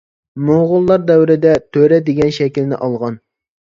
موڭغۇللار دەۋرىدە «تۆرە» دېگەن شەكىلنى ئالغان.